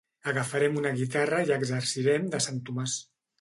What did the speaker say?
Agafarem una guitarra i exercirem de sant Tomàs.